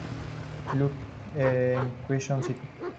Luke en Quezon City.